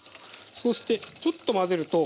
そうしてちょっと混ぜると